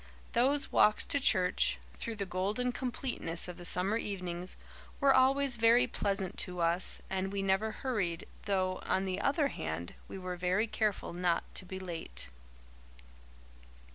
Those walks to church, through the golden completeness of the summer evenings, were always very pleasant to us, and we never hurried, though, on the other hand, we were very careful not to be late.